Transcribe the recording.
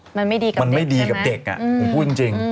มันไม่ดีกันมันไม่ดีกับเด็กผมพูดจริง